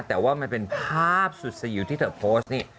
แต่ว่ามันเป็นภาพสุดสยิวที่เธอโพสต์นี่